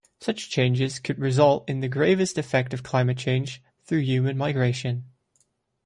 Such changes could result in the gravest effects of climate change through human migration.